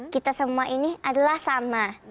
kita semua ini adalah sama